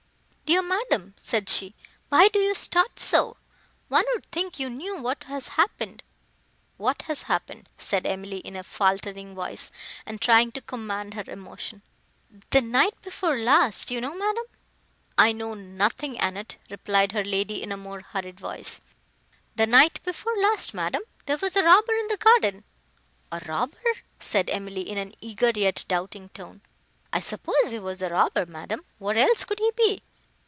"Dear madam," said she, "why do you start so? one would think you knew what has happened." "What has happened?" said Emily, in a faltering voice, and trying to command her emotion. "The night before last, you know, madam—" "I know nothing, Annette," replied her lady in a more hurried voice. "The night before last, madam, there was a robber in the garden." "A robber!" said Emily, in an eager, yet doubting tone. "I suppose he was a robber, madam. What else could he be?"